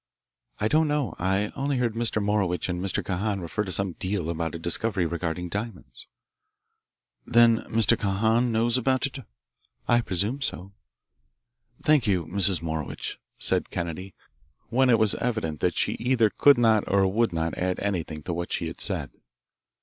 "I don't know. I only heard Mr. Morowitch and Mr. Kahan refer to some deal about a discovery regarding diamonds." "Then Mr. Kahan knows about it?" "I presume so." "Thank you, Mrs. Morowitch," said Kennedy, when it was evident that she either could not or would not add anything to what she had said.